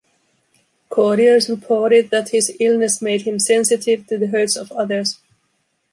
Courtiers reported that his illness made him sensitive to the hurts of others.